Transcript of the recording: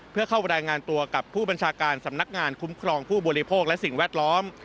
เพื่อเข้ารายงานตัวกับผู้บัญชาการสำนักงานคุ้มครองผู้บริโภคและสิ่งแวดล้อม